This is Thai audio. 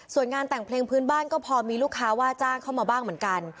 ส่วนงานแต่งเพลงพื้นบ้านก็พอมีลูกค้าว่าจ้างเข้ามาบ้างเหมือนกัน